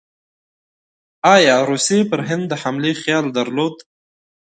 ایا روسیې پر هند د حملې خیال درلود؟